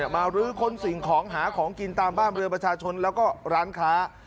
รื้อค้นสิ่งของหาของกินตามบ้านเรือประชาชนแล้วก็ร้านค้า